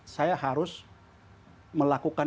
saya harus melakukan